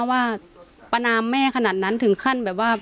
ว่าประนามแม่ขนาดนั้นถึงขั้นแบบว่า